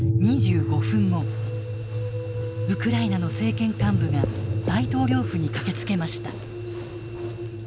ウクライナの政権幹部が大統領府に駆けつけました。